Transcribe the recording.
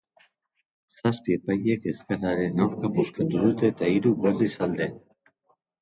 Zazpi epailek eskaeraren aurka bozkatu dute eta hiruk, berriz, alde.